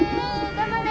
頑張れ。